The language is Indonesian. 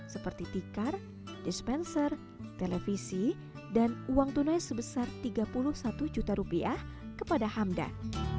seperti tikar dispenser televisi dan uang tunai sebesar tiga puluh satu juta rupiah kepada hamdan